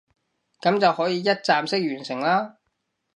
噉就可以一站式完成啦